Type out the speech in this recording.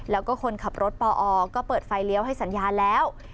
แล้วก็คนขับรถปอก็เปิดไฟเลี้ยวให้สัญญาแล้ว